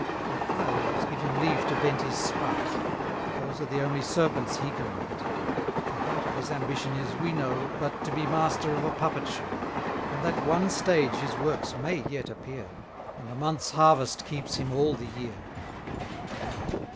450 In fireworks give him leave to vent his spite Those are the only serpents he can write; The height of his ambition is, we know, But to be master of a puppet show; On that one stage his works may yet appear, And a month's harvest keeps him all the year.